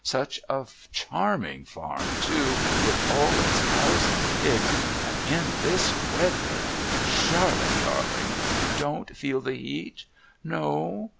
such a charming farm, too, with all its cows and pigs, but in this weather... Charlotte darling, you don't feel the heat? No?